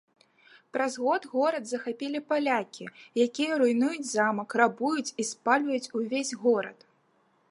Праз год горад захапілі палякі, якія руйнуюць замак, рабуюць і спальваюць увесь горад.